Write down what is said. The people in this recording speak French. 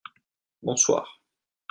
bonsoir.